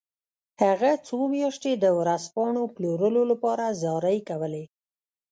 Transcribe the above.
هغه څو میاشتې د ورځپاڼو پلورلو لپاره زارۍ کولې